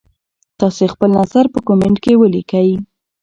تاسي خپل نظر په کمنټ کي ولیکئ.